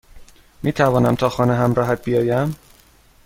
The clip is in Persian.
میتوانم تا خانه همراهت بیایم؟